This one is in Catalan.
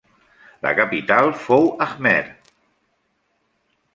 La capital fou Ajmer.